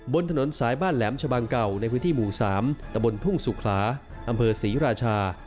บนถนนสายบ้านแหลมชะบังเก่าในพื้นที่หมู่๓ตะบนทุ่งสุขลาอำเภอศรีราชา